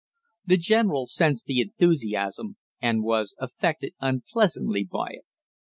The general sensed the enthusiasm and was affected unpleasantly by it.